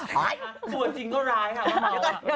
ตัวจริงตัวร้ายค่ะว่าเมา